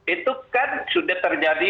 itu kan sudah terjadi